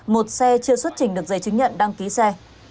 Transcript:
một xe chưa xuất trình được giấy chứng nhận đăng ký xe